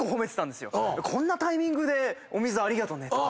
こんなタイミングでお水ありがとねとか。